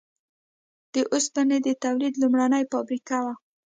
د اوسپنې د تولید لومړنۍ فابریکه وه.